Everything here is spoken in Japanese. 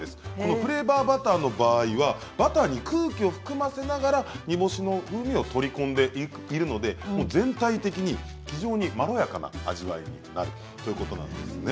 フレーバーバターの場合はバターに空気を含ませながら煮干しの風味を取り込んでいるので全体的に非常にまろやかな味わいになるということなんですね。